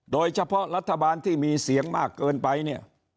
โดยเฉพาะรัฐบาลที่มีเสียงมากเกินไปเนี่ย